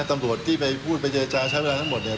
ตำรวจที่ไปพูดไปเจรจาใช้เวลาทั้งหมดเนี่ย